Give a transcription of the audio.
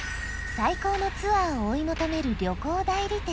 最高のツアーを追い求める旅行代理店